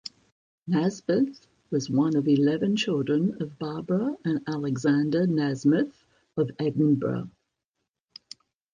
Nasmyth was one of the eleven children of Barbara and Alexander Nasmyth of Edinburgh.